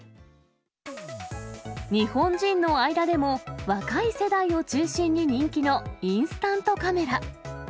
日本人の間でも若い世代を中心に人気のインスタントカメラ。